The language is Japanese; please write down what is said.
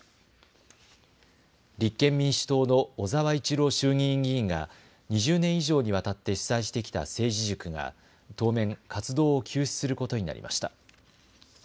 立憲民主党の小沢一郎衆議院議員が２０年以上にわたって主宰してきた政治塾が当面、活動を休止することになりました。